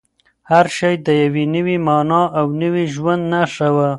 هر شی د یوې نوې مانا او نوي ژوند نښه وه.